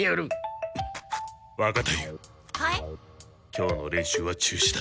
今日の練習は中止だ。